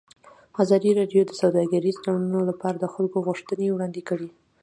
ازادي راډیو د سوداګریز تړونونه لپاره د خلکو غوښتنې وړاندې کړي.